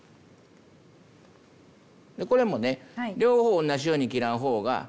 でこれもね両方同じように切らん方が。